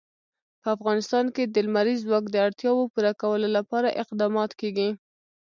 په افغانستان کې د لمریز ځواک د اړتیاوو پوره کولو لپاره اقدامات کېږي.